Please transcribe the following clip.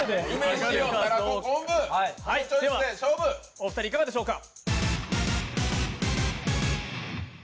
お二人いかがでしょうか？